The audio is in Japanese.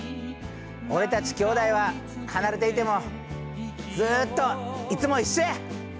俺たちきょうだいは離れていてもずっといつも一緒や！